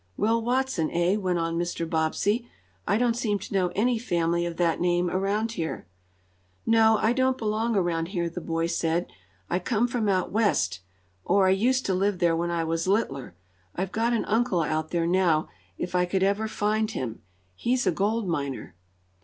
"Will Watson, eh?" went on Mr. Bobbsey. "I don't seem to know any family of that name around here." "No, I don't belong around here," the boy said. "I come from out west or I used to live there when I was littler. I've got an uncle out there now, if I could ever find him. He's a gold miner."